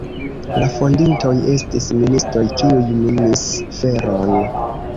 La fondintoj estis ministoj, kiuj minis feron.